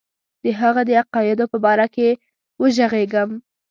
د هغه د عقایدو په باره کې وږغېږم.